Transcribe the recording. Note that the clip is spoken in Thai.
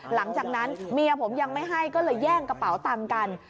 หลังจากนั้นเมียผมยังไม่ให้ก็เลยแย่งกระเป๋าตังค์กัน